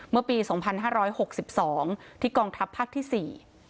เมื่อปี๒๕๖๒ที่กองทัพภาคที่๔